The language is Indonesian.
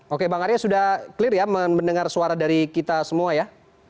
oke bang arya sudah clear ya mendengar suara dari kita semua ya